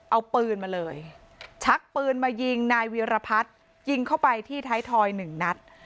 เอาปืนมาเลยชักปืนมายิงนายเวียรพัฒน์ยิงเข้าไปที่ท้ายทอยหนึ่งนัด